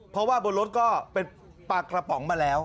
เพราะว่าบนรถก็เป็นปลากระป๋องมาแล้ว